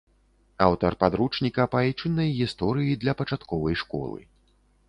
Аўтар падручніка па айчыннай гісторыі для пачатковай школы.